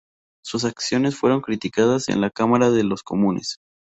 Sus acciones fueron criticadas en la Cámara de los Comunes.